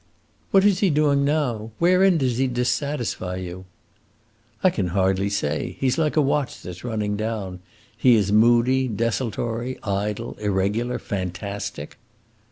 "What is he doing now? Wherein does he dissatisfy you?" "I can hardly say. He 's like a watch that 's running down. He is moody, desultory, idle, irregular, fantastic."